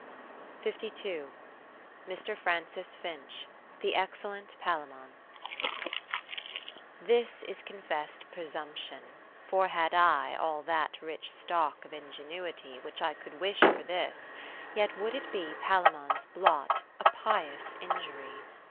Mr, Francis Finch, the Excellent Palaemon This is confest presumption, for had I All that rich stock of ingenuity Which I could wish for this, yet would it be Palaemon's blot, a pious injury.